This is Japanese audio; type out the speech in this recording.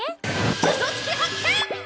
ウソつき発見！